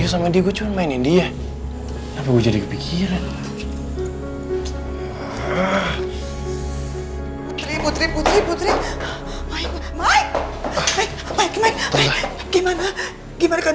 semoga aja dia